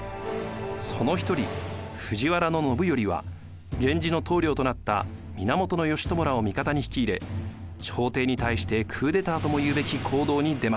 その一人藤原信頼は源氏の棟梁となった源義朝らを味方に引き入れ朝廷に対してクーデターともいうべき行動に出ます。